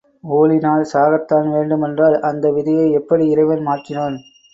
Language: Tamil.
ஊழினால் சாகத்தான் வேண்டுமென்றால், அந்த விதியை எப்படி இறைவன் மாற்றினான்?